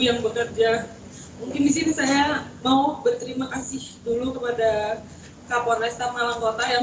yang bekerja mungkin disini saya mau berterima kasih dulu kepada kapolesta malangkota yang